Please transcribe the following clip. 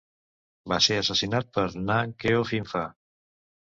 Va ser assassinat per Nang Keo Phimpha.